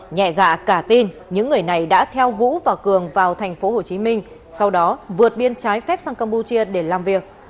nhẹ dạ cả tin những người này đã theo vũ và cường vào tp hcm sau đó vượt biên trái phép sang campuchia để làm việc